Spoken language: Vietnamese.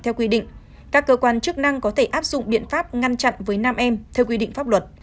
theo quy định các cơ quan chức năng có thể áp dụng biện pháp ngăn chặn với nam em theo quy định pháp luật